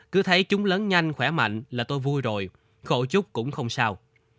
cứ thấy chúng lớn nhanh khỏe mạnh là tôi vui rồi khổ chút cũng không sao